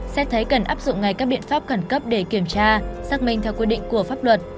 xét thấy cần áp dụng ngay các biện pháp khẩn cấp để kiểm tra xác minh theo quy định của pháp luật